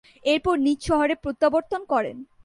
এরপর নিজ শহরে প্রত্যাবর্তন করেন।